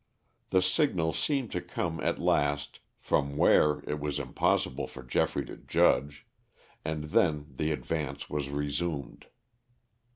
The signal seemed to come at last, from where it was impossible for Geoffrey to judge, and then the advance was resumed.